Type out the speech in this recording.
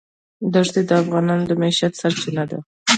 دښتې د افغانانو د معیشت سرچینه ده.